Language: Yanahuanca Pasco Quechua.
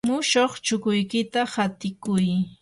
mushuq chukuykita hatikuy.